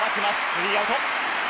スリーアウト。